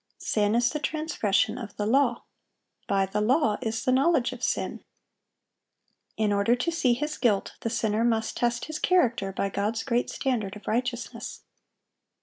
"Sin is the transgression of the law." "By the law is the knowledge of sin."(789) In order to see his guilt, the sinner must test his character by God's great standard of righteousness.